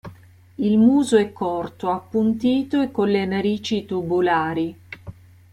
Il muso è corto, appuntito e con le narici tubulari.